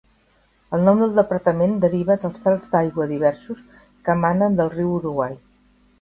El nom del departament deriva dels salts d'aigua diversos que emanen del riu Uruguai.